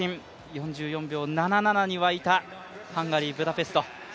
４４秒７７にわいたハンガリーブダペスト。